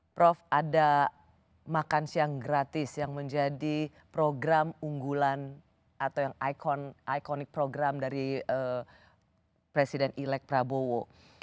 prof ada makan siang gratis yang menjadi program unggulan atau yang ikonik program dari presiden elek prabowo